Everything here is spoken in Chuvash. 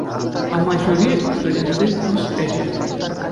«Амаҫури» — студентсен курс ӗҫӗ.